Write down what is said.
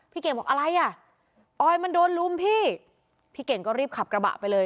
เก่งบอกอะไรอ่ะออยมันโดนลุมพี่พี่เก่งก็รีบขับกระบะไปเลย